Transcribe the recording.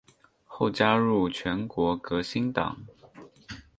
后加入全国革新党。